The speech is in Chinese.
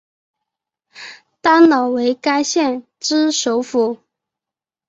丹老为该县之首府。